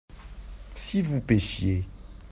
si vous pêchiez.